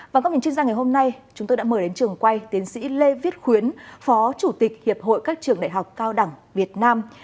và các hình chuyên gia ngày hôm nay chúng tôi đã mời đến trường quay tiến sĩ lê viết khuyến phó chủ tịch hiệp hội các trường đại học cao đẳng việt nam